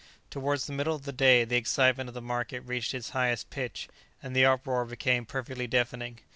Towards the middle of the day the excitement of the market reached its highest pitch, and the uproar became perfectly deafening.